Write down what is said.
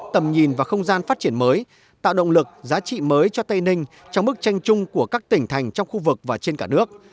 tầm nhìn và không gian phát triển mới tạo động lực giá trị mới cho tây ninh trong bức tranh chung của các tỉnh thành trong khu vực và trên cả nước